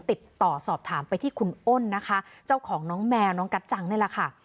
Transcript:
ติดต่อสอบถามไปที่คุณอ้นนะคะเจ้าของน้องแมวน้องกัจจังนี่แหละค่ะ